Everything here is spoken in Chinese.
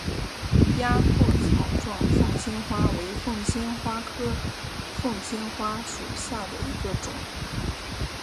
鸭跖草状凤仙花为凤仙花科凤仙花属下的一个种。